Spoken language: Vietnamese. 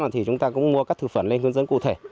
thì chúng ta cũng mua các thực phẩm lên hướng dẫn cụ thể